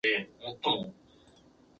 千葉ロッテマリーンズ